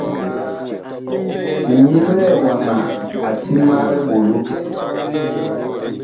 Ŋyeglɛɛ wama a ti ma eɓolo.